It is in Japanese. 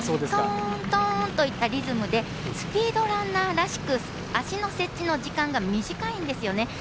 トントンといったリズムでスピードランナーらしく足の接地の時間が短いんですよね。